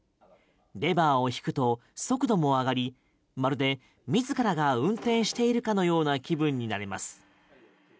レバーを引くと速度も上がりまるで、自らが運転しているかのような気分になります。